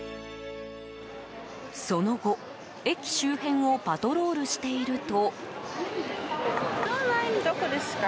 その後、駅周辺をパトロールしていると。